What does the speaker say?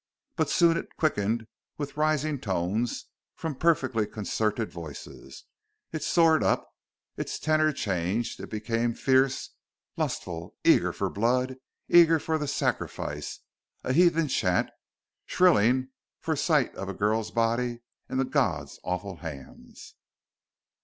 But soon it quickened with rising tones from perfectly concerted voices; it soared up; its tenor changed; it became fierce, lustful, eager for blood, eager for the sacrifice, a heathen chant shrilling for sight of a girl's body in the god's, awful hands.